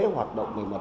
hoạt động về mặt